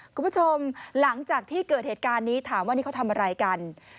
คุณผู้ชมหลังจากที่เกิดเหตุการณ์นี้ถามว่านี่เขาทำอะไรกัน